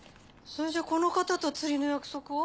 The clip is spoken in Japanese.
それじゃこの方と釣りの約束を？